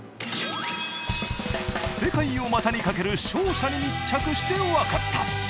世界を股にかける商社に密着してわかった！